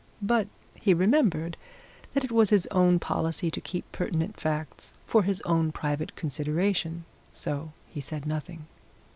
But he remembered that it was his own policy to keep pertinent facts for his own private consideration, so he said nothing.